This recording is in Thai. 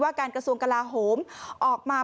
ว่าการกระทุกษ์กราหมออกมา